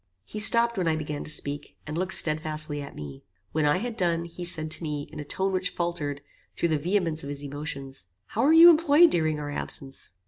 He stopped when I began to speak, and looked stedfastly at me. When I had done, he said, to me, in a tone which faultered through the vehemence of his emotions, "How were you employed during our absence?"